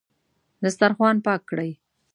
دسترخوان پاک کړئ